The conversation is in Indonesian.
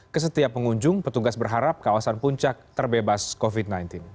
ke setiap pengunjung petugas berharap kawasan puncak terbebas covid sembilan belas